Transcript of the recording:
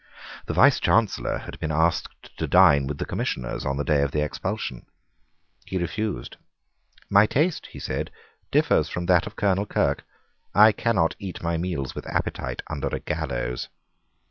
The Vicechancellor had been asked to dine with the Commissioners on the day of the expulsion. He refused. "My taste," he said, "differs from that of Colonel Kirke. I cannot eat my meals with appetite under a gallows."